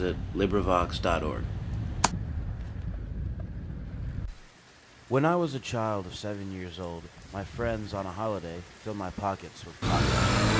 ] TOO DEAR FOR THE WHISTLE When I was a child of seven years old, my friends, on a holiday, filled my pockets with coppers.